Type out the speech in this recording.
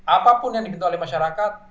apapun yang dibentuk oleh masyarakat